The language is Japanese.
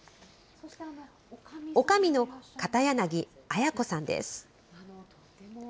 おかみの片柳綾子さんです。